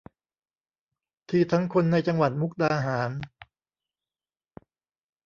ที่ทั้งคนในจังหวัดมุกดาหาร